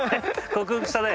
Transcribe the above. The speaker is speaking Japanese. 克服したね。